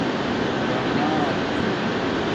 پُراناک